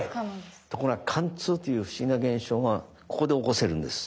ところが貫通という不思議な現象はここで起こせるんです。